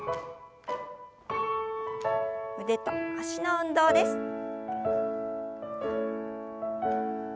腕と脚の運動です。